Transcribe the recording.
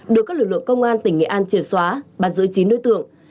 được các lực lượng công an tỉnh nghệ an triệt xóa bắt giữ chín đối tượng